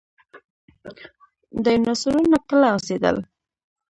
ډیناسورونه کله اوسیدل؟